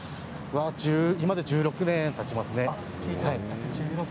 今で１６年たちますね。